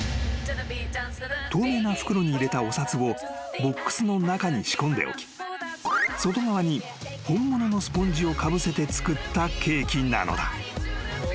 ［透明な袋に入れたお札をボックスの中に仕込んでおき外側に本物のスポンジをかぶせて作ったケーキなのだ］